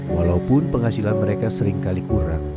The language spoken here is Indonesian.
walaupun penghasilan mereka seringkali kurang